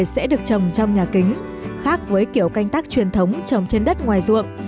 sẽ được trồng trong nhà kính khác với kiểu canh tác truyền thống trồng trên đất ngoài ruộng